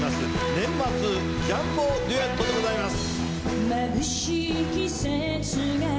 年末ジャンボデュエットでございます。